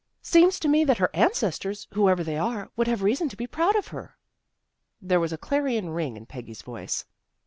Seems to me that her ancestors, whoever they were, would have reason to be proud of her." There was a clarion ring in Peggy's voice.